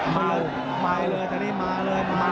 เมาเมาสักรอบท่านเย็นหน่อย